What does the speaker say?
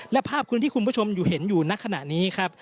และภาพคุณที่คุณผู้ชมอยู่เห็นอยู่ในขณะนี้ครับ